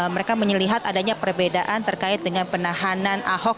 mereka menyelihat adanya perbedaan terkait dengan penahanan ahok